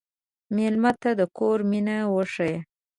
مېلمه ته د کور مینه وښیه.